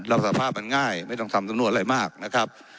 สภาพมันง่ายไม่ต้องทำสำนวนอะไรมากนะครับ